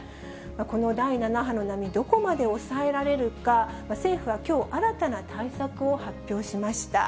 この第７波の波、どこまで抑えられるか、政府はきょう、新たな対策を発表しました。